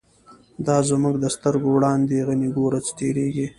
دا زمونږ د سترگو وړاندی «غنی» گوره څه تیریږی